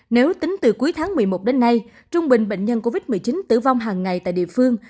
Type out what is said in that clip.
nếu tính từ cuối tháng một mươi một đến nay trung bình bệnh nhân covid một mươi chín tử vong hàng ngày tại địa phương